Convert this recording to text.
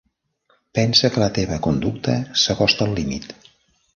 Pensa que la teva conducta s'acosta al límit.